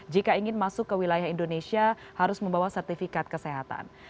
jika ingin masuk ke wilayah indonesia harus membawa sertifikat kesehatan